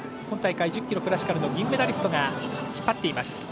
今大会１０ｋｍクラシカルの銀メダリストが引っ張っています。